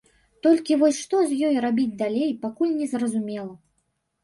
Толькі вось што з ёй рабіць далей, пакуль незразумела.